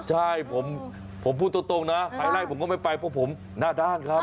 ใช่ผมพูดตรงนะใครไล่ผมก็ไม่ไปเพราะผมหน้าด้านครับ